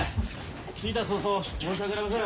着いた早々申し訳ありません。